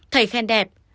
thầy khen đẹp